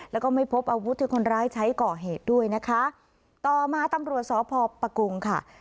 แล้วก็ไม่พบอาวุธที่คนร้ายใช้ก่อเหตุด้วยนะคะต่อมาตำรวจสพปะกงค่ะ